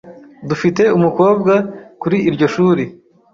Dufite umukobwa kuri iryo shuri .